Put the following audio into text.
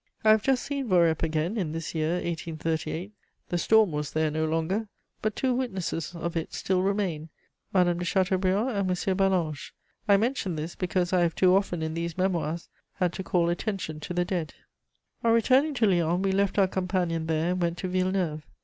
I have just seen Voreppe again, in this year 1838: the storm was there no longer; but two witnesses of it still remain, Madame de Chateaubriand and M. Ballanche. I mention this because I have too often, in these Memoirs, had to call attention to the dead. On returning to Lyons we left our companion there, and went to Villeneuve.